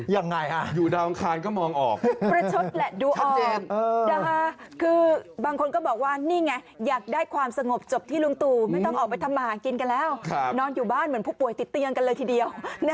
ยังไงอยู่ดาวอังคารก็มองออกประชดแหละดูออกคือบางคนก็บอกว่านี่ไงอยากได้ความสงบจบที่ลุงตู่ไม่ต้องออกไปทำมาหากินกันแล้วนอนอยู่บ้านเหมือนผู้ป่วยติดเตียงกันเลยทีเดียว